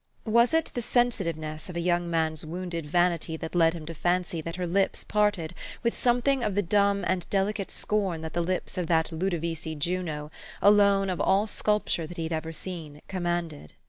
Was it the sen sitiveness of a young man's wounded vanity that led him to fancy that her lips parted with something of the dumb and delicate scorn that the lips of that Ludovisi Juno, alone of all sculpture that he had ever seen, commanded?